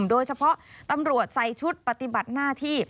โดยเฉพาะตำรวจใส่ชุดปฏิบัติหน้าที่